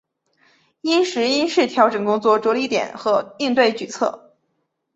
因时因势调整工作着力点和应对举措